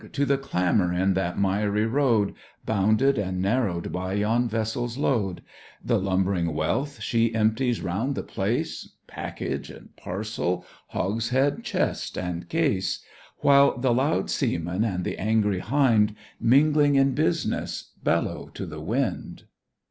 to the clamour in that miry road, Bounded and narrow'd by yon vessel's load; The lumbering wealth she empties round the place, Package, and parcel, hogshead, chest, and case: While the loud seaman and the angry hind, Mingling in business, bellow to the wind.